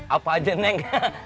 apa aja neng